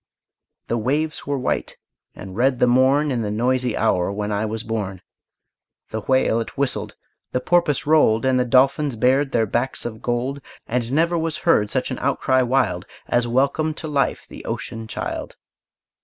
The waves were white, and red the morn, In the noisy hour when I was born; The whale it whistled, the porpoise rolled, And the dolphins bared their backs of gold; And never was heard such an outcry wild, As welcomed to life the ocean child.